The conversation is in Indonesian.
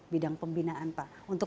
bidang pembinaan pak untuk